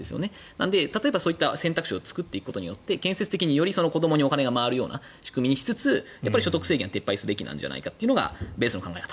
なので、例えばそういった選択肢を作っていくことによって建設的によりその子どもにお金が回るような仕組みにしつつ所得制限を撤廃すべきなんじゃないかというのがベースの考え方。